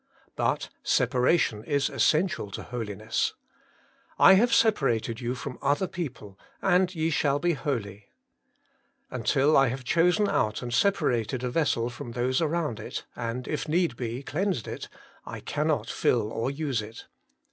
But separation is essential to holiness. ' I have separated you from other people, and ye shall be holy.' Until I have chosen out and separated a vessel from those around it, and, if need be, cleansed it, I cannot fill or use it.